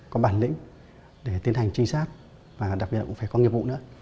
có bản lĩnh để tiến hành trinh sát và đặc biệt là cũng phải có nghiệp vụ nữa